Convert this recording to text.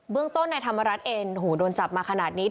เบื้องต้นนายธรรมรัฐเอ็นโหโดนจับมาขนาดนี้